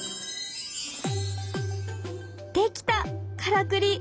出来たからくり！